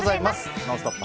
「ノンストップ！」